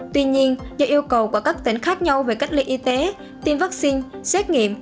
tuy nhiên do yêu cầu của các tỉnh khác nhau về cách ly y tế tiêm vaccine xét nghiệm